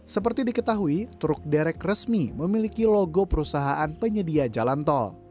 seperti diketahui truk derek resmi memiliki logo perusahaan penyedia jalan tol